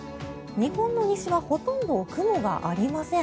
日本の西はほとんど雲がありません。